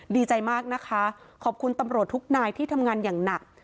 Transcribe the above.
ดีใจมากนะคะขอบคุณตำรวจทุกนายที่ทำงานอย่างหนัก